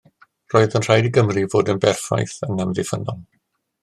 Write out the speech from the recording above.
Roedd yn rhaid i Gymru fod yn berffaith yn amddiffynnol.